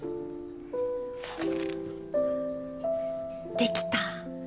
できた！